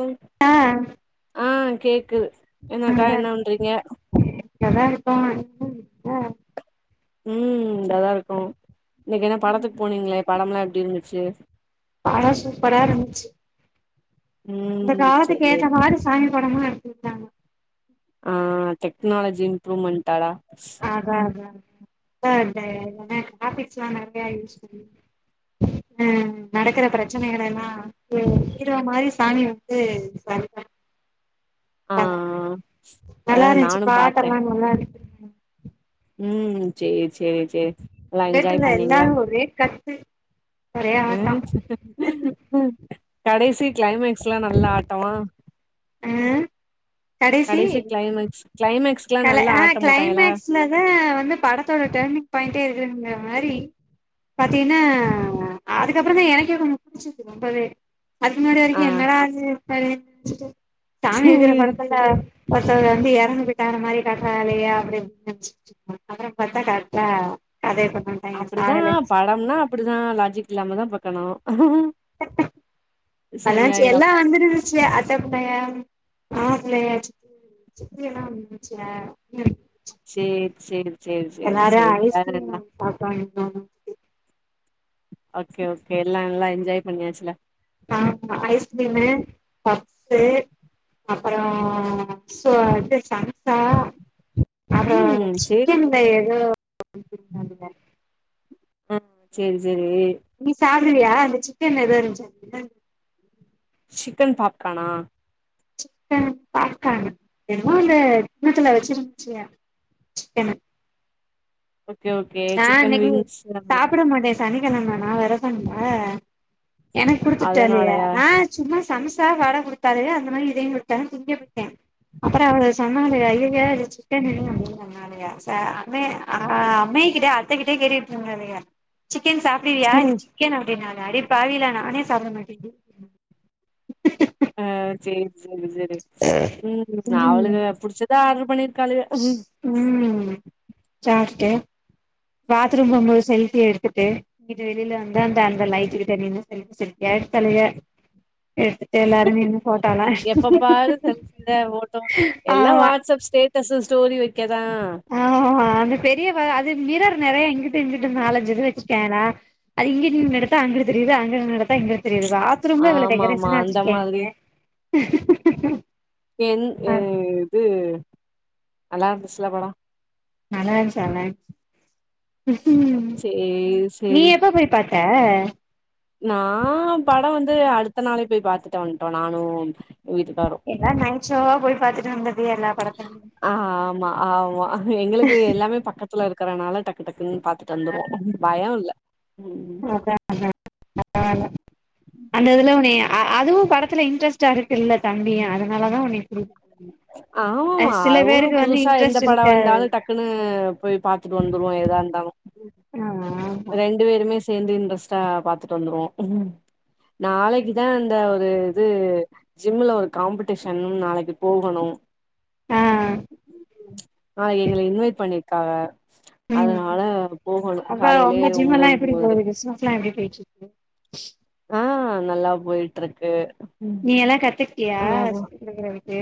ம் ஆ ஆ கேக்கு என்னக்கா என்னவன்றீங்க நல்லா இருக்கோ [inaudible] ருக்க ம் நல்லா இருக்கோ இன்னைக்கி என்ன படத்துக்கு போனீங்களே படம் எல்லா எப்டி இருந்துச்சு படோ சூப்பரா இருந்துச்சு இந்த ம் காலத்துக்கு செரி ஏத்த மாரி சாமி படமா எடுத்துருந்தாங்க ஆ டெக்னாலஜி இம்ப்ரூவ்மெண்ட்டாடா அதா அதா அதா என்ன டாபிக்ஸ்லா நெறையா யூஸ் பண்ணி அ நடக்கிற பிரச்சனைகள் எல்லா இது தீர்வா மாரி சாமி வந்து [unintelligible] ஆ பண்ட்டாங்க நல்லா அதாவது இருந்துச்சு நானு பாத்த பாட்டெல்லா நல்லா இருக்கு ம் சேரி சேரி சேரி நல்லா என்ஜாய் தேட்டர்ல பண்ணீங்ளா எல்லாரு ஒரே கத்து ஒரே ஆட்டோ ம் கடைசி க்ளைமக்ஸ்லா நல்லா ஆட்டமா அ கடைசி க்ளைமக்ஸ் க்ளைமக்ஸ்குல்லா நல்லா ஆட்டோ போட்டாய்ங்கலா அதா வந்து படத்தோட டர்னிங் பாய்ண்டே இதுங்குற மாரி பாத்தீங்கன்னா அதுக்கப்புறோ தா எனக்கே கொஞ்சோ பிடிச்சிருது ரொம்பவே அதுக்கு முன்னாடி ஆ வரைக்கு என்னடா இது [unintelligible] சாமி இருக்கற சேரி படத்துல்ல சேரி பசங்க வந்து எறங்குது வேற மாதிரி கட்டாலலையா அப்படினு நெனச்ச அப்புறம் பாத்தா கரெக்டா அதே பண்ண அப்படிதான் படம்னா அப்படிதான் லாஜிக் இல்லாமதான் பாக்கணும் நலான்ச்சி அப்போ எல்லாம் வந்துரு [unintelligible] சித்தி எல்லாம் இருதுச்சே செரி செரி செரி செரி எல்லாரும் செரி வேற என்ன [unintelligible] ஓகே ஓகே எல்லாம் நல்லா என்ஜாய் பண்ணியாச்சுல ஆமா ஐஸ்கிரீமு பப்ஸ் அப்புறோம் சூடா சம்ஷா அப்றோம் ம் சேரி சிக்கன்ல ஏதோ [inaudible] ஆ செரி செரி நீ சாப்பிடுவியா அந்த சிக்கன் ஏதோ இருந்துச்சானு சிக்கன் பாப்கானா சிக்கன் பாப்கார்ன் என்னமோ அந்த கிண்ணத்துல வச்சிருன்ச்சுங்க சிக்கனு ஓகே ஓகே நான் சிக்கன் இன்னைக்கு விங்ஸ் ஆமா சாப்பிட மாட்டன் சனிகெழம நா வெரதோம்ல எனக்கு குடுத்துட்டலே அதனாலயா நான் சும்மா சம்சா வட குடுத்தாலு அந்த மாரி இதையு குடுத்தாக தின்னு புட்டன் அப்புறம் அவளுக சொன்னாலுக ஐயய இது சிக்கனு அப்டினாங்க னாலுக சோ அமே அ-அம்மை அத்த கிட்டே கேட்டு கிட்டு இருந்தேனுக சிக்கன் சாப்பிடுவியா இது சேரி சிக் க்கன் அப்படின்னாக அடிப்பாவிகளா நானே சாப்புட மாட்டேங்க ஆ சேரி சேரி சரி ம் நா அவளுக ம் புடிச்சத ஆர்டரு பண்ணிரு க்காளுக ம் ம் சார்ட்டு பாத்ரூம் போம்மோது செல்ஃபி எடுத்துட்டு இங்குட்டு வெளில வந்து அந்த அந்த லைட்டு கிட்ட நின்னு செல்ஃபி செல்ஃபியா எடுத்தாளுக எடுத்துட்டு எல்லாரு நின்னு போட்டோலா எப்ப பாரு செல்ஃபிதா போட்டோ எல்லாம் ஆமா வாட்ஸ்அப் ஸ்டேட் டஸ்ல ஸ்டோரி வெக்கதா ஆ அந்த பெரிய வ அது மிரர் நிறைய இங்குட்டு இங்குட்டு அலஞ்சுது வச்சுக்கேன்னா அது இங்குட்டு நின்னு எடுத்தா அங்கட்டு தெரியுது அங்க நின்னு எடுத்தா இங்க தெரியுது பாத்ரூம்ல எவ்ளோ ஆமா ஆமா டெக்கரேஷனா அந்த வச்சிருக்கேங்க மாதிரி என் அ இது நல்லா இருந்துச்சில படோம் நல்லா இருந்துச்சாங்க சேரி நீ சேரி எப்போ போய் பாத்த நா படோம் வந்து அடுத்த நாளே பேய் பாத்துட்டு வந்துட்டோம் நானும் வீட்டுக்காரோம் எல்லா நைட்சோவா போய் பாத்துட்டு வந்துட்டிய எல்லா படத்தயும் ஆமா ஆமா எங்ளுக்கு எல்லாமே பக்கத்துல இருக்கறனால டக் டக்டக்குன்னு பாத்துட்டு வந்துருவோம் பயோம் இல்ல ம் [inaudible] பரவால்ல அந்த இதுல உன்னய அ-அதுவு படத்துல இன்ட்ரெஸ்டா இருக்குல்ல தம்பியோம் அதான் உன்னைய ம் ம் ஆமாமா அதுவு புதுசா எந்த பட இருக்காது வந்தாலு டக்குன்னு போய் பாத்துட்டு வந்துருவோ எதா இருந்தாலு அ அ ரெண்டு பேருமே சேந்து இன்ட்ரெஸ்டா பாத்துட்டு வந்துருவோ நாளைக்குதா அந்த ஒரு இது ஜிம்ல ஒரு காம்படிஷன் நாளைக்கு போகணு ஆ ஆ எங்கள இன்வைட் பண்ணிருக்காக ம் அதனால போகணு அப்ப காலையிலயே உங்க ஜிம் எல்லா ஒம்போது எப்டி போகுது ஒம்போதரைக்கு பிசினஸ் எல்லா எப்டி போயிட்டிருக்கு ஆ நல்லா போய்ட்ருக்கு நீ எல்லா கத்துகிட்டியா சொல்லி குடுக்குறதுக்கு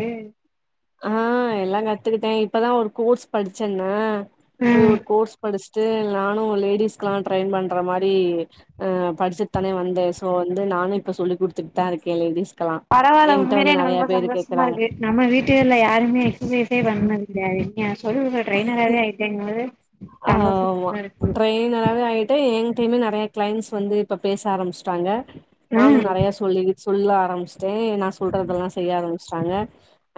ஆ எல்லா கத்துக்கிட்டே இப்பதா ஒரு கோர்ஸ் படிச்சேனா போய் ம் ஒரு கோர்ஸ் படிச்சுட்டு நானு லேடிஸ்க்குலா ட்ரையின் பண்ற மாரி அ படிச்சுட்டு தான வந்தே சோ வந்து நானு இப்ப சொல்லி கொடுத்துட்டுதா இருக்கே லேடிஸ்கு பரவால உண்மைலே எனக்கு ரொம்ப சந்தோஷமா கேக்குறாங்க இருக்கு நம்ம வீட்டுகல யாருமே எக்சசைஸே பண்ணது கெடயாது இங்க சொல்லிகுடுக்குற ட்ரைனர் ஆவே ஆயிட்டேங்கும் போது ஆமா ட்ரைனராவே ஆயிட்டே என்ட்டயுமே நெறைய கிளைண்ட்ஸ் வந்து இப்ப பேச ஆரம்பிச்சுட்டாங்க நானு ம் நெறைய சொல்லி சொல்ல ஆரம்பிச்சிட்டே நா சொல்றதல்லா செய்ய ஆரம்பிச்சிட்டாங்க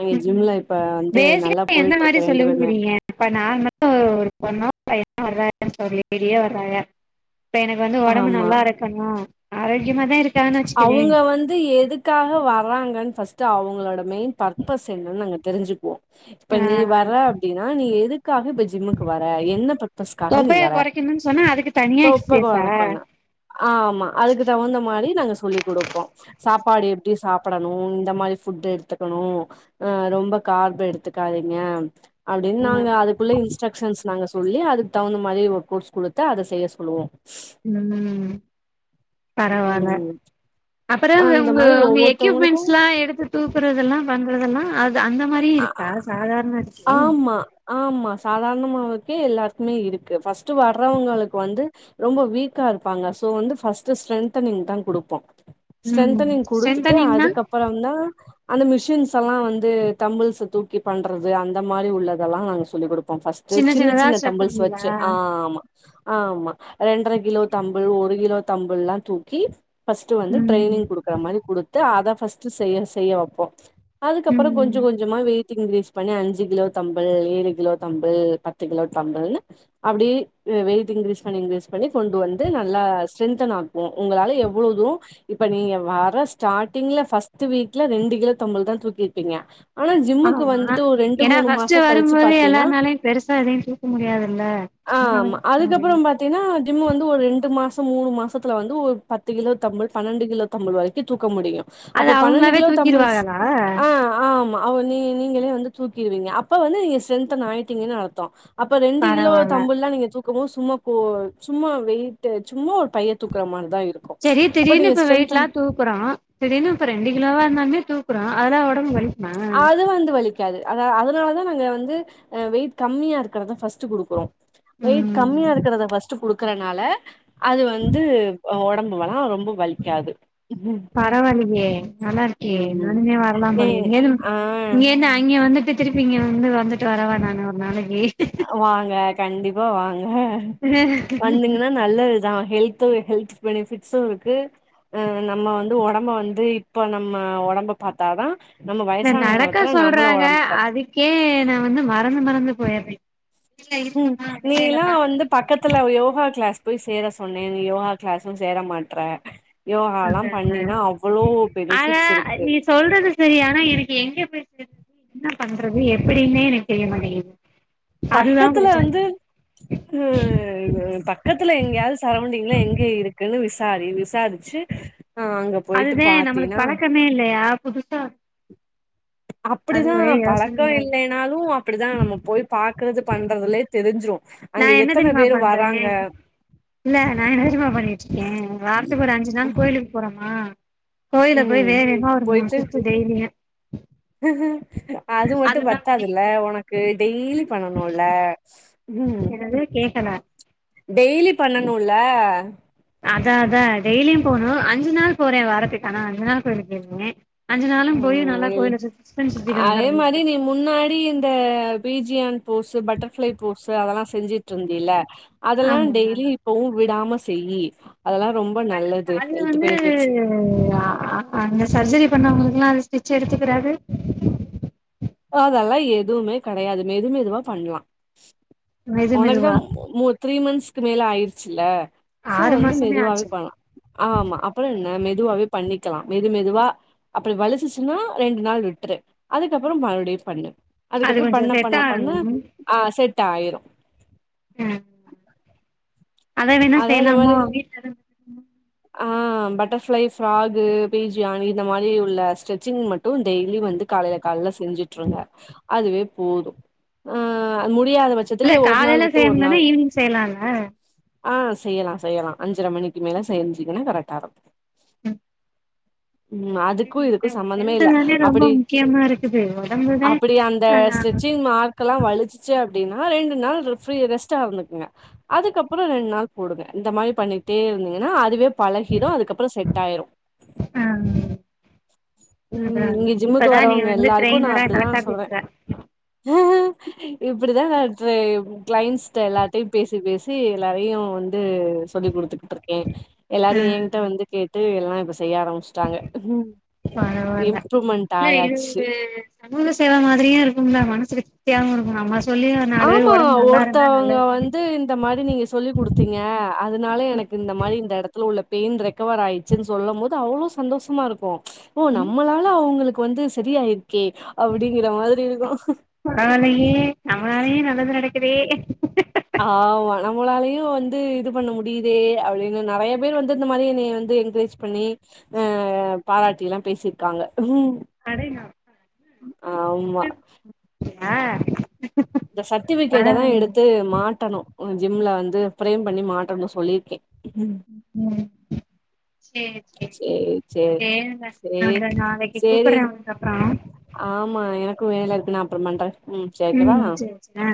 எங்க ஜிம்ல இப்ப வந்து நல்லா போயிட்டு இருக்கு ரெண்டு பேருமே இப்போ நார்மலு ஒரு பொண்ணோ பையனா வர்ராகன் சொல்லி திரியே வர்ராக இப்ப எனக்கு வந்து ஒடம்பு ஆமா நல்லா இருக்கணு ஆரோக்கியமாதா இருக் அவுங்க வந்து எதுக்காக வர்றாங்கன் ஃபஸ்ட் ஃபஸ்ட் அவங்களோட மெயின் பர்பஸ் என்னனு நாங்க தெரிஞ்சுக்குவோ இப்ப நீ ஆ வர டினா நீ எதுக்காக இப்ப ஜிம்முக்கு வர என்ன பர் பஸ்காக நீ தொப்பைய வர கொறைக்கணுன் சொன்னா அதுக்கு தனியா தொப்ப எக்ஸசைஸா கோரக்கேனா ஆமா அதுக்கு தகுந்த மாரி நாங்க சொல்லி குடுப்போ சாப்பாடு எப்டி சாப்டணு இந்த மாரி ஃபுட் எடுத்துக்கணு அ ரொம்ப கார்பு எடுத்துக்காதீங்க அப்டின்னு நாங்க ம் அதுக் குள்ள இன்ஸ்ட்ரக்ஷன்ஸ் நாங்க சொல்லி அதுக்கு தகுந்த மாரி ஒரு கோட்ஸ் குடுத்து அத செய்ய சொல்லுவோ ம் பரவால்ல ம் அப்பற அந்த உங்க மாரி உங்க ஒவ்வொருத்தவங்களுக்கு எக்யூப்மெண்ட்ஸ்ல்லா எடுத்து தூக்குறதெல்லா பண்றதெல்லா அது அந்த மாரியு அ இருக்கா சாதாரணத்துக்கே ஆமா ஆமா சாதாரணமாவுக்கே எல்லாருக்குமே இருக்கு ஃபர்ஸ்ட் வர்றவங்களுக்கு வந்து ரொம்ப வீக்கா இருப்பாங்க சோ வந்து பர்ஸ்ட்ட் ஸ்ட்ரென்தனிங் தா குடுப்போ ம் ஸ்ட்ரென்தனிங் குடுத்துட்டு ஸ்ட்ரென்தனிங்னா அதுக்கப்புறம தா அந்த மிஷின்ஸ் எல்லா வந்து தம்பிள்ஸ தூக்கி பண்றது அந்த மாரி உள்ளதெல்லா நாங்க சொல்லிகொடுப்போ பஸ்ட் சின்ன சின்னதா சின்ன ஸ்டெப் தம்பிள்ஸ் பண்ணுவீங்களா வச்சு ஆ ஆமா ஆமா ரெண்ர கிலோ தம்பிள் ஒரு கிலோ தம்பள் எல்லா தூக்கி ஃபர்ஸ்ட் வந்து ம் ட்ரையனிங் குடுக்குற மாரி குடுத்து அத பஸ்ட் செய் ய செய்ய வைப்போ அதுக்கப்புற ம் கொஞ்சம் கொஞ்சமா வெயிட் இன்கிரீஸ் பண்ணி அஞ்சு கிலோ தம்பள் ஏழு கிலோ தம்பள் பத்து கிலோ தம்பள்னு அப்படியே வெயிட் இன்க்ரீஸ் பண்ணி இன்க்ரீஸ் பண்ணி கொண்டு வந்து நல்லா ஸ்ட்ரென்தன் ஆப் ம் உங்களால எவ்வளோது இப்ப நீங்க வர ஸ்டார்ட்டிங்ல ஃபர்ஸ்ட் வீக்ல ரெண்டு கிலோத்தொம்பதுதா தூக்கிருப்பீங்க ஆனா ஜிம்முக்கு ஆமா வந்துட்டு ஒரு ரெண்டு ஏன்னா மூணு ஃபஸ்ட் மாசோ கழிச்சு வரும்போது பாத்தீன்னா எல்லாருனாலையும் பெருசா எதையும் தூக்க முடியாதுல்ல ஆ ஆ அதுக்கப்புறம் பாத்தீங்கனா ஜிம்மு வந்து ஒரு ரெண்டு மாதம் மூணு மாதத்தில் வந்து ஒரு பத்து கிலோ தம்புள் பன்னெண்டு கிலோ தம்புள் வரைக்கும் தூக்க முடியும் அது அப்போ பன்னெண்டு அவங்களாவே கிலோ தம்புள்ஸ் தூக்கிருவாங்களா ஆ ஆம் அவ் நீங்களே வந்து தூக்கிடுவீங்க அப்ப வந்து நீங்க ஸ்ட்ரன்த்தன் ஆயிட்டீங்கன்னு அர்த்தம் அப்ப ரெண்டு கிலோ பரவால்ல தம்புள் எல்லா நீங்க தூ க்கும்போ சும்மா கோ சும்மா வெயட்டு சும்மா ஒரு பைய தூக்குற மாரிதான் இருக் செரி திடீர்னு இப்ப வெயிட் எல்லாம் தூக்குறோம் திடீனு இப்ப ரெண்டு கிலோவா இருந்தாலுமே தூக்குறோம் அதெல்லாம் உடம்பு அது வந்து வலிக் காது அத அதனால தான் நாங்க வந்து அ வெயிட் கம்மியா இருக்கறதான் ஃபர்ஸ்ட் கொடுக்குறோம் வெயிட் ம் கம்மியா இருக்கறத ஃபஸ்ட் குடுக்கறனால அது வந்து அ உடம்புவல்லா ரொம்ப வலிக்காது பரவாலியே நல்லா இருக்கே ம் நானுமே வரலாம் ஏ போலயே இங்கந்து ஆ இங்க இருந்து அங்கே வந்துட்டு திருப்பி இங்க வந்து வந்துட்டு வரவா நானு ஒரு நாளைக்கு வாங்க கண்டிப்பா வாங்க இல்ல வந்துங்கன்னா நல்லதுதா ஹெல்த்து ஹெல்த் பெனிஃபிட்ஸும் இருக்கு அ நம்ம வந்து உடம்ப வந்து இப்ப நம்ம உடம்ப பாத்தாதான் [unintelligible] நடக்க சொல்றாங்க அதுக்கே நான் வந்து மறந்து மறந்து போய்றே ம் நீல்லாம் வந்து பக்கத்துல யோகா கிளாஸ் போய் சேர சொன்னேன் நீ யோகா கிளாஸும் சேர மாட்றே யோகாலாம் அதான. பண்ணினா அவ்வளோ ஆனா பெனிஃபிட்ஸ் இருக்கு நீ சொல்றது செரி ஆனா எனக்கு எங்க பேய் சேர்ரது என்ன பண்றது எப்டின்மே எனக்கு தெரிய மாட்டிங்குது பக்கத்துல வந்து ஹ பக்கத்துல எங்கேயாவது சரவுண்டிங்லாம் எங்க இருக்குன்னு விசாரி விசாரிச்சு ஆ அங்க போயிட்டு அதுதே நம்மளுக்கு பாத்தீன்னா பழக்கமே இல்லையா புதுசா அது அப்படிதா ஒரே பழக்க யோசனையா இருக்கு இல்லைனாலும் அப்படிதா நம்ம போய் பாக்குறது பண்றதுலே தெரிஞ்சிரும் நா என்ன தெரிமா பண்றேன் இல்ல நா என்ன தெரிமா பண்ணிட்டு இருக்கேன் வாரத்துக்கு ஒரு அஞ்சு நாள் கோயிலுக்கு போறோமா கோயில போயி ம் வேக வேகமா ஒரு போயிட்டு மூனு சுத்து டெய்லியும் அது மட்டு அதுதா பத்தாதுல்ல பண்ணிட்ருக்கே உனக்கு டெய்லி பண்ணனு னுல ம் என்னது கேக்கலா டெய்லி பண்ணனுல அதா அதா டெய்லியும் போணும் அஞ்சு நாள் போறேன் வாரத்துக்கு ஆனா அஞ்சு நாள் கோயில்க்கு போயிருக்கே அஞ்சு நாளும் போயி நல்லா ம் கோயில சுத்து சுத்தனு சுத்திட்டு அதே வந்துரது மாரி நீ முன்னாடி இந்த பிஜியான் போஸு பட்டர்ஃபிளை போஸு அதெல்லாம் செஞ்சுட்டு இருந்தியல்ல அதெல்லாம் ஆமா டெய்லி இப்பவும் விடாம செய்யி அதெல்லாம் ரொம்ப நல்லது ஹெல்த் பெனிபிட்ஸ் ம் அ அ அங்க சர்ஜரி பண்ணவங்களுக்குல்லாம் அந்த ஸ்டிச்சு எடுத்துக்கடாது அதெல்லா எதுமே கெடையாது மெது மெதுவா பண்லாம் மெது உனக்கு தா மெதுவா மோத் த்ரீ மந்த்ஸ்கு மேல ஆயிடுச்சுல்ல சோ ஆறு வந்து மாசமே மெதுவாவே ஆச்சு பண்லாம் ஆமா அப்புறம் என்ன மெதுவாவே பண்ணிக்கலாம் மெது மெதுவா அப்படி வலிசிச்சுன்னா ரெண்டு நாள் விட்ரு அதுக்கப்புறம் மறுபடியும் பண்ணு அது அதுக்கப்றோ கொஞ்சோ பண்ண செட் பண்ண பண்ண ஆகணு ஆ செட் ஆயிரு ம் அத வேணா அதா இந்த செய்லாமோ மாரி வீட்ல [inaudible] ஆ பட்டர்ஃபிளை ஃப்ராகு பிஜியான் இந்த மாரி உள்ள ஸ்டிச்சிங் மட் டு டெய்லி வந்து காலைல காலைல செஞ்சுட்ருங்க அதுவே போது ஆ முடியாத பச் இல்ல காலைல செய்ய முல்லனா ஈவி்னிங் செய்லால ஆ செய்யலா செய்யலா அஞ்சர மணிக்கு மேல செஞ்சிங்னா கரெக்டா இருக்கு ம் அதுக்கு இதுக்கு சம்பந்தமே ஹெல்த் இல்ல தானே ரொம்ப அப்படி முக்கியமா இருக்குது ஒடம்புதா அப் இப்படி அந்த ஆ ஸ்ட்ரெச்சிங் ஆ மார்க்கெலா வலிச்சிச்சு அப்டின்னா ரெண்டு நாள் ஃப்ரீ ரெஸ்ட்டா இருந்துக்குங்க அதுக்கப்பறோ ரெண் நாள் போடுங்க இந்த மாதிரி பண்ணிட்டே இருந்தீங்கன்னா அதுவே பழகிடு அதுக்கப்பறோ செட்டாயுரு ஆ அதா ம் அதா இங்க ஜிம்முக்கு இப்பதா நீ வரவங்க வந்து ட்ரெய்னரா கரெக்டா பேசற இப்டிதா நா ட்ரைப் கிளைண்ஸ்ட்ட எல்லார்ட்டயு பேசி பேசி எல்லாரையு வந்து சொல்லி் குடுத்துக்கிட்டுருக்கே ஆ எல்லாரு எங்ட்ட வந்து கேட்டு எல்லா இப்ப செய்ய ஆரம்ச்ட்டாங்க பரவால்ல இல்ல இருந்து சமூக சேவை மாதிரி இருக்கும்ல மனசுக்கு திருப்தியாவு இருக்கு நம்ம சொல்லி ஒரு நாலு பேர் ஆமா ஒடம்பு நல்லா இருந்தா ஒருத்தவங்க நல்லது தானே வந்து இந்த மாரி நீங்க சொல்லி குடுத் தீங்க அதனால எனக்கு இந்த மாரி இந்த எடத்துல உள்ள பெயின் ரெக்கவர் ஆயிடுச்சுன் சொல்லும் போது அவ்வளோ சந்தோஷமா இருக்கு ஓ நம்மளால அவுங்களுக்கு வந்து சரியாயிருக்கே அப்டிங்கற மாதிரி இருக்கு பரவாலயே நம்மளாலயு நல்லது நடக்குதே ஆமா நம்மளாலயு வந்து இது பண்ண முடியுதே அப்டினு நெறைய பேர் வந்து இந்த மாதிரி என்னைய வந்து என்கரேஜ் பண்ணி அ பாராட்டிலாம் பேசிருக்காங்க அடேங்கப் ஆம்மா [inaudible] ஆ இந்த சர்ட்டிஃபிகேட்ட தா பரவாயில்லைங்க எடுத்து மாட்டணு ஜிம்ல வந்து பிரேம் பண்ணி மாட்டனு சொல்லிருக்கே ம் சேர் சேரி சேரிங்க சேரி நாங்க நாளைக்கு சேரி கூப்பர்றே உனக்கு அப்றோ ஆமா எனக்கு வேலை இருக்கு நா அப்பற பண்றே சேரி வெக்கவா ம் சே சே ஆ